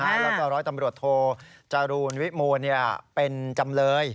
แล้วก็ร้อยตำรวจโทจรูลวิมูลเป็นจำเลย